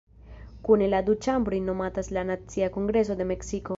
Kune la du ĉambroj nomatas la "Nacia Kongreso de Meksiko".